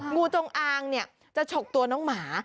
งูจงอางจะฉกตัวน้องหมา